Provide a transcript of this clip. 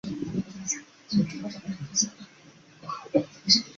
这两个注意点被认为可能是当时音乐创作的准则。